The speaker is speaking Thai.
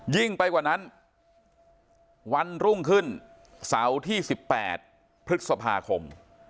ยิ่งไปกว่านั้นวันรุ่งขึ้นเสาร์ที่๑๘พฤษภาคม